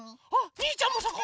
にーちゃんもそこ。